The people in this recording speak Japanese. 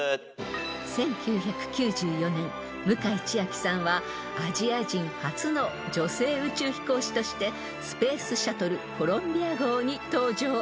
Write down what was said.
［１９９４年向井千秋さんはアジア人初の女性宇宙飛行士としてスペースシャトルコロンビア号に搭乗］